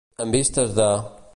En vistes de.